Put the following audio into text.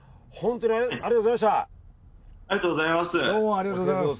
ありがとうございます。